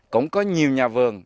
cũng có nhiều nhà vườn